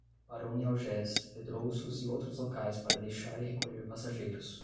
Parou em Algés, Pedrouços e outros locais para deixar e recolher passageiros.